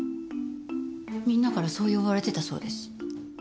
みんなからそう呼ばれてたそうです。